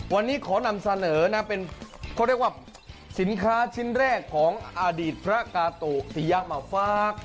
วันนี้ขอนำเสนอนะเป็นเขาเรียกว่าสินค้าชิ้นแรกของอดีตพระกาโตติยะมาฝาก